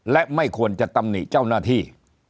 และไม่ควรจะตำหนิเจ้าหน้าที่